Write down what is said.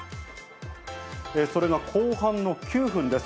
それが後半の９分です。